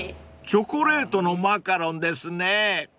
［チョコレートのマカロンですね］